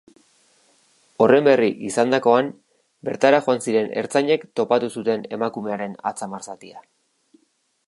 Horren berri izandakoan bertara joan ziren ertzainek topatu zuten emakumearen atzamar zatia.